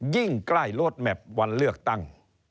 ยิ่งใกล้โลดแมพวันเลือกตั้ง